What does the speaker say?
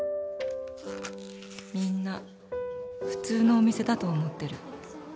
「みんな普通のお店だと思ってる」